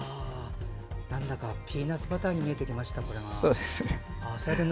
なんだかピーナツバターに見えてきました。